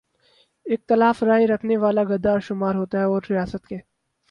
اختلاف رائے رکھنے والا غدار شمار ہوتا اور ریاست کے